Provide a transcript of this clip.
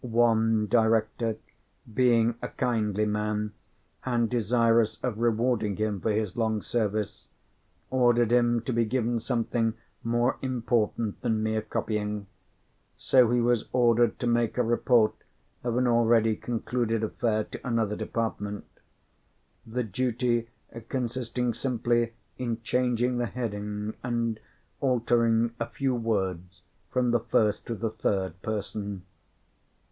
One director being a kindly man, and desirous of rewarding him for his long service, ordered him to be given something more important than mere copying. So he was ordered to make a report of an already concluded affair to another department: the duty consisting simply in changing the heading and altering a few words from the first to the third person.